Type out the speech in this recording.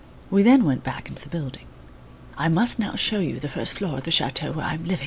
We then went back into the building. "I must now show you the first floor of the chateau, where I am living," said my friend.